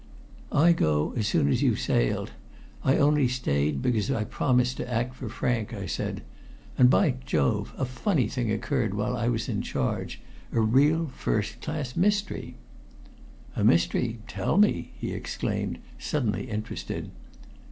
"I go as soon as you've sailed. I only stayed because I promised to act for Frank," I said. "And, by Jove! a funny thing occurred while I was in charge a real first class mystery." "A mystery tell me," he exclaimed, suddenly interested.